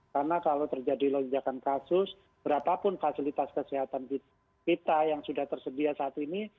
karena kalau terjadi lonjakan kasus berapapun fasilitas kesehatan kita yang sudah tersedia saat ini